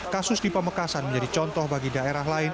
kasus di pamekasan menjadi contoh bagi daerah lain